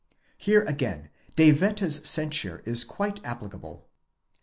(Here again De Wette's censure is quite applicable.)